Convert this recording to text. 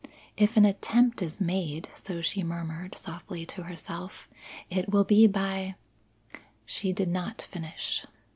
"If an attempt is made," so she murmured softly to herself, "it will be by " She did not finish.